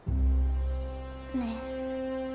ねえ